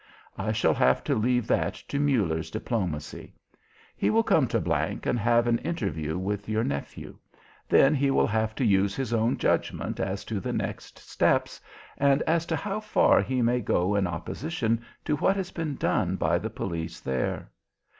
I shall have to leave that to Muller's diplomacy. He will come to G and have an interview with your nephew. Then he will have to use his own judgment as to the next steps, and as to how far he may go in opposition to what has been done by the police there."